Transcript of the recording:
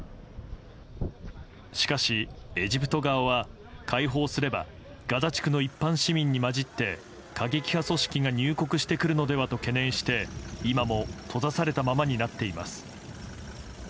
しかし、エジプト側は開放すればガザ地区の一般市民に交じって過激派組織が入国してくるのではと懸念して今も閉ざされたままになっています。